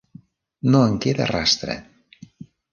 No en queda rastre.